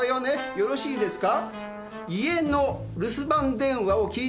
よろしいですか。